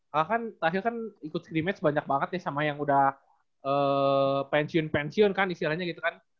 kakak kan terakhir kan ikut scrimmage banyak banget ya sama yang udah pensiun pensiun kan istilahnya gitu kan